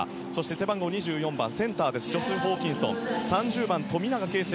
背番号２４番、センターのジョシュ・ホーキンソン３０番、富永啓生